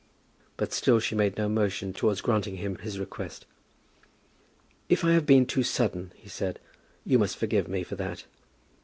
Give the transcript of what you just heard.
But still she made no motion towards granting him his request. "If I have been too sudden," he said, "you must forgive me for that.